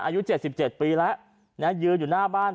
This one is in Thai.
อายุ๗๗ปีแล้วยืนอยู่หน้าบ้าน